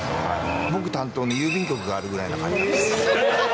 僕担当の郵便局があるぐらいの感じなんです。